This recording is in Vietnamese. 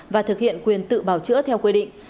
và thực hiện quyền tự bào chữa theo quy định